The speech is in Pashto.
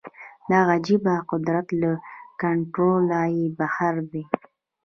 دا عجیبه قدرت له کنټروله یې بهر دی